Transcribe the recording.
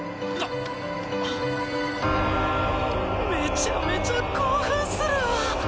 めちゃめちゃ興奮するわ。